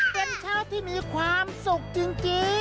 เป็นเช้าที่มีความสุขจริง